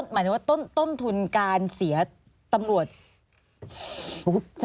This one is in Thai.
หมายถึงว่าต้นทุนการเสียตำรวจ